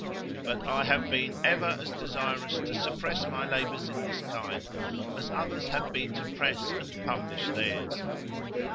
But I have been ever as desirous to suppress my labours in this kind, as others have been to press and publish theirs.